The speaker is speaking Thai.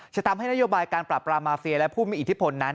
จะทำให้นโยบายการปรับปรามมาเฟียและผู้มีอิทธิพลนั้น